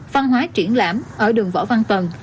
phan hóa triển lãm ở đường võ văn tần